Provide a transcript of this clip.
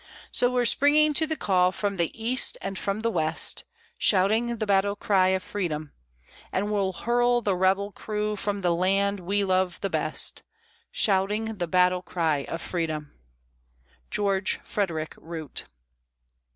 So we're springing to the call from the East and from the West, Shouting the battle cry of freedom, And we'll hurl the rebel crew from the land we love the best, Shouting the battle cry of freedom. GEORGE FREDERICK ROOT.